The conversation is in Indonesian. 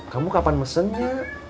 kamu kapan mesennya